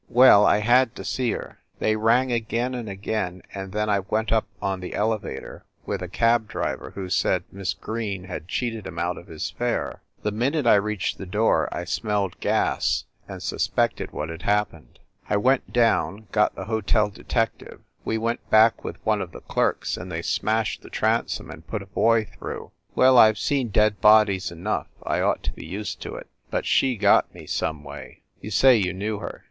Well, I had to see her. They rang again and again, and then I went up on the elevator with a cab driver who said Miss Green had cheated him out of his fare. The minute I reached the door I smelled gas, and suspected what had happened. I went down, got the hotel detective, we went back with one of the clerks, and they smashed the tran som and put a boy through. Well, I ve seen dead bodies enough; I ought to be used to it. But she got me, some way. You say you knew her?"